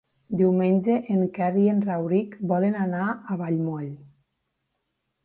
Diumenge en Quer i en Rauric volen anar a Vallmoll.